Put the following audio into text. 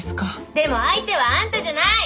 でも相手はあんたじゃない！